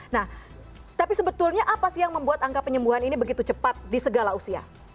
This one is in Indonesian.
nah tapi sebetulnya apa sih yang membuat angka penyembuhan ini begitu cepat di segala usia